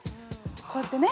こうやってね。